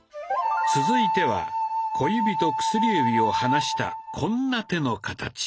続いては小指と薬指を離したこんな手の形。